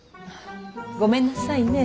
ごめんなさいね。